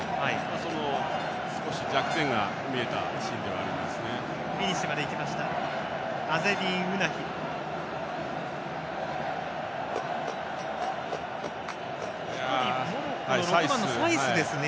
それを少し弱点が見えたシーンではありましたね。